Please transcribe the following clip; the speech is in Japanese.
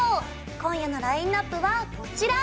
今夜のラインナップは、こちら。